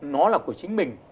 nó là của chính mình